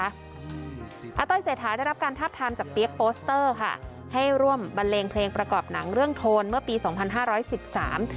อาต้อยเศรษฐาได้รับการทาบทามจากเปี๊ยกโปสเตอร์ค่ะให้ร่วมบันเลงเพลงประกอบหนังเรื่องโทนเมื่อปีสองพันห้าร้อยสิบสาม